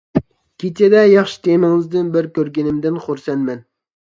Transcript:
كېچىدە ياخشى تېمىڭىزدىن بىر كۆرگىنىمدىن خۇرسەنمەن.